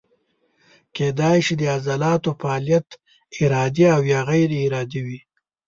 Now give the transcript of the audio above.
کیدای شي د عضلاتو فعالیت ارادي او یا غیر ارادي وي.